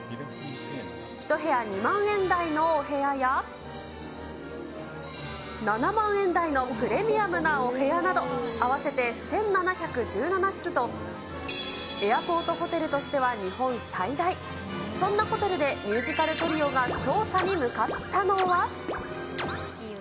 １部屋２万円台のお部屋や、７万円台のプレミアムなお部屋など、合わせて１７１７室と、エアポートホテルとしては日本最大、そんなホテルでミュージカルトリオが調査に向かったのは。